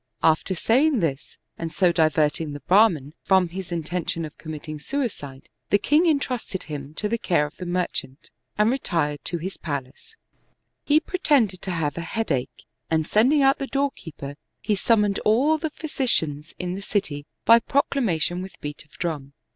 After saying this, and so diverting the Brahman from his intention of committing suicide, the king intrusted him to the care of the merchant, and retired to his palace. There he pretended to have a headache, and sending out the door keeper, he summoned all the physicians in the city by proclamation with beat of drum.